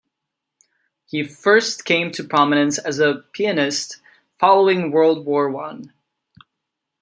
He first came to prominence as a pianist following World War One.